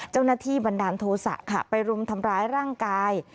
เจ้าหน้าที่บันดาลโทษะค่ะไปรุมทำร้ายร่างกาย